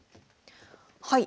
はい。